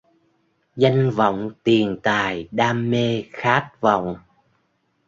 Danh vọng tiền tài đam mê khát vọng